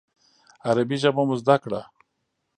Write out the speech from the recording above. عربي ژبه مو زده کړه.